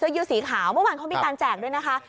ยืดสีขาวเมื่อวานเขามีการแจกด้วยนะคะ